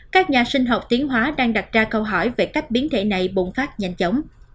các nhà sinh học tiến hóa đang đặt ra câu hỏi về cách biến thể này bùng phát nhanh chóng